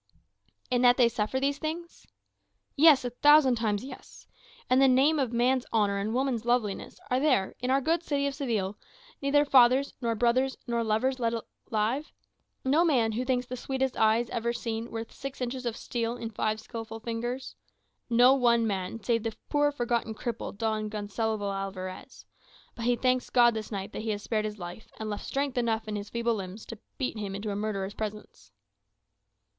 "In that they suffer these things?" "Yes; a thousand times, yes. In the name of man's honour and woman's loveliness, are there, in our good city of Seville, neither fathers, nor brothers, nor lovers left alive? No man who thinks the sweetest eyes ever seen worth six inches of steel in five skilful fingers? No one man, save the poor forgotten cripple, Don Gonsalvo Alvarez. But he thanks God this night that he has spared his life, and left strength enough in his feeble limbs to bear him into a murderer's presence."